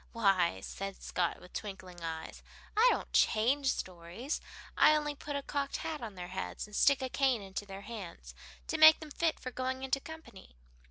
"Why," said Scott, with twinkling eyes, "I don't change stories. I only put a cocked hat on their heads, and stick a cane into their hands to make them fit for going into company."